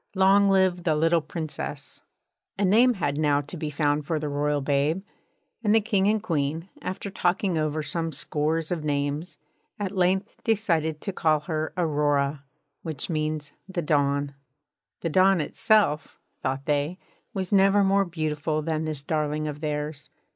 Long live the little Princess!' A name had now to be found for the royal babe; and the King and Queen, after talking over some scores of names, at length decided to call her Aurora, which means The Dawn. The Dawn itself (thought they) was never more beautiful than this darling of theirs.